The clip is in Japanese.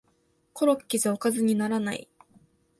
コロッケじゃおかずにならない